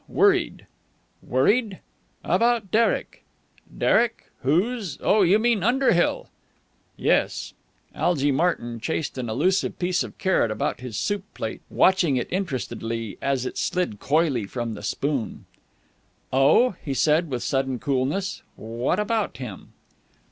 Worried." "Worried?" "About Derek." "Derek? Who's...? Oh, you mean Underhill?" "Yes." Algy Martyn chased an elusive piece of carrot about his soup plate, watching it interestedly as it slid coyly from the spoon. "Oh?" he said, with sudden coolness. "What about him?"